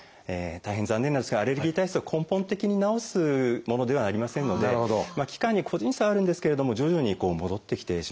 大変残念なんですがアレルギー体質を根本的に治すものではありませんので期間に個人差はあるんですけれども徐々に戻ってきてしまうんですね。